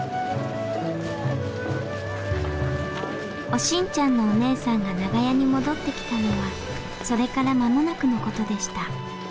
おしんちゃんのお姉さんが長屋に戻ってきたのはそれから間もなくの事でした。